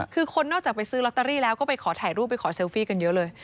คือคนนอกจากไปซื้อลอตเตอรี่แล้วก็ไปขอถ่ายรูปไปขอเซลฟี่กันเยอะเลย